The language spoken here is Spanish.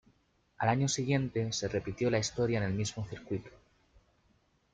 Al año siguiente se repitió la historia en el mismo circuito.